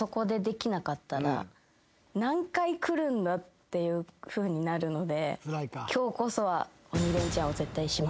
っていうふうになるので。